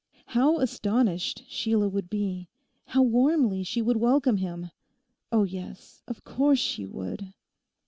How astonished Sheila would be; how warmly she would welcome him!... Oh yes, of course she would.